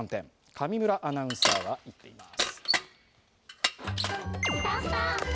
上村アナウンサーが行っています。